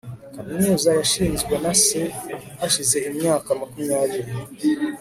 kaminuza yashinzwe na se hashize imyaka makumyabiri